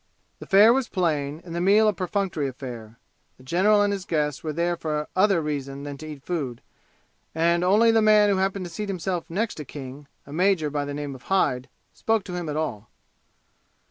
The fare was plain, and the meal a perfunctory affair. The general and his guests were there for other reason than to eat food, and only the man who happened to seat himself next to King a major by the name of Hyde spoke to him at all.